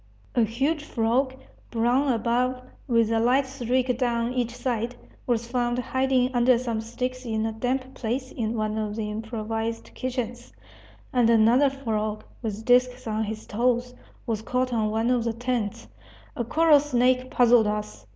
A huge frog, brown above, with a light streak down each side, was found hiding under some sticks in a damp place in one of the improvised kitchens; and another frog, with disks on his toes, was caught on one of the tents. A coral snake puzzled us.